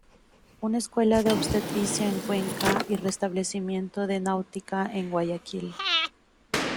Una Escuela de Obstetricia en Cuenca y restablecimiento de la náutica en Guayaquil.